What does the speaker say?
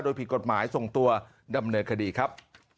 โดยผิดกฎหมายส่งตัวดำเนินคดีครับ